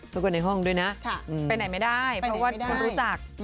ทุกคนในห้องด้วยนะไปไหนไม่ได้เพราะว่าคนรู้จัก